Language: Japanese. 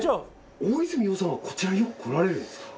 大泉洋さんはこちらによく来られるんですか？